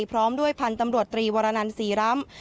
พร้อมด้วยพันธุ์ตำรวจตรีวรนันศรีร้ำ